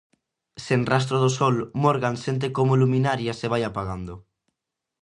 Sen rastro do sol, Morgan sente como Luminaria se vai apagando.